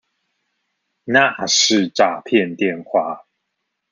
那是詐騙電話